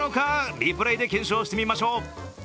リプレーで検証してみましょう。